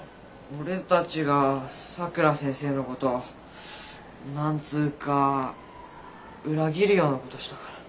俺たちがさくら先生のことを何つうか裏切るようなことしたから。